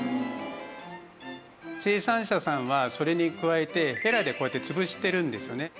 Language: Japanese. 生産者さんはそれに加えてヘラでこうやって潰してるんですよね。